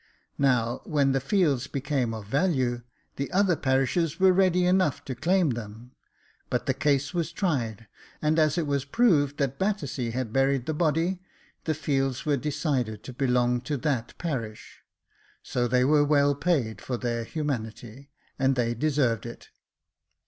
Now, when the fields became of value, the other parishes were ready enough to claim them •, but the case was tried, and as it was proved that Battersea had buried the body, the fields were decided to belong to that parish. So they were well paid for their humanity, and they deserved it.